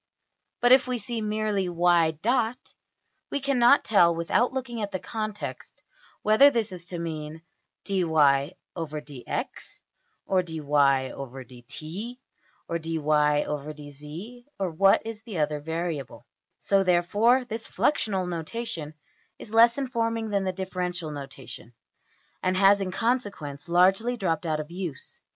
But if we see merely~$\dot{y}$, we cannot tell without looking at the context whether this is to mean $\dfrac{dy}{dx}$ or $\dfrac{dy}{dt}$ or~$\dfrac{dy}{dz}$, or what is the other variable. So, therefore, this fluxional notation is less informing than the differential notation, and has in consequence largely dropped out of use.